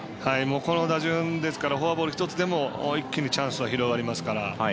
この打順ですからフォアボール１つでも一気にチャンスは広がりますから。